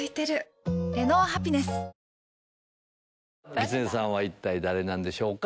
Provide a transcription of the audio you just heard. キツネさんは一体誰なんでしょうか？